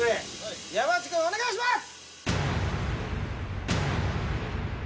山内くんお願いします。